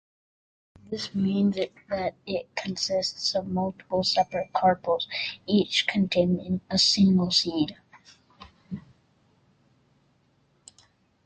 This means that it consists of multiple separate carpels, each containing a single seed.